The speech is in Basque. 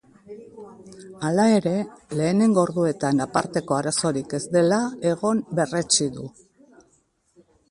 Hala ere, lehenengo orduetan aparteko arazorik ez dela egon berretsi du.